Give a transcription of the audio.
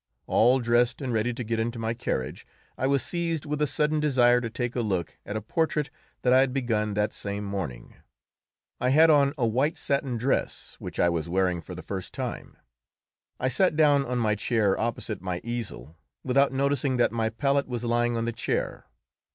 All dressed and ready to get into my carriage, I was seized with a sudden desire to take a look at a portrait that I had begun that same morning. I had on a white satin dress, which I was wearing for the first time. I sat down on my chair opposite my easel without noticing that my palette was lying on the chair.